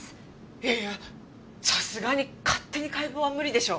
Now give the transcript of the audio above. いやいやさすがに勝手に解剖は無理でしょ。